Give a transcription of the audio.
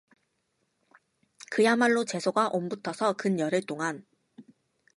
그야말로 재수가 옴붙어서 근 열흘 동안